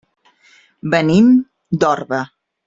Venim d'Orba.